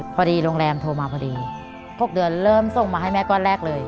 พอดีโรงแรมโทรมาพอดี๖เดือนเริ่มส่งมาให้แม่ก้อนแรกเลย